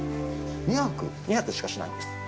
２泊しかしないんです。